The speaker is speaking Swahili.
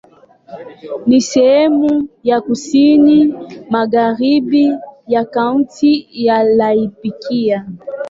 Ni sehemu ya kusini magharibi ya Kaunti ya Laikipia.